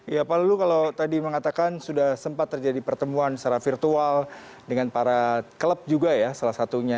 ya pak lulu kalau tadi mengatakan sudah sempat terjadi pertemuan secara virtual dengan para klub juga ya salah satunya